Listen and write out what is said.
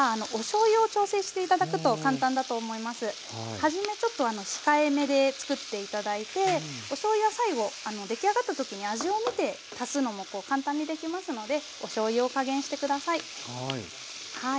はじめちょっと控えめで作って頂いておしょうゆは最後出来上がった時に味を見て足すのも簡単にできますのでおしょうゆを加減して下さい。